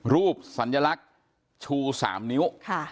สัญลักษณ์ชู๓นิ้ว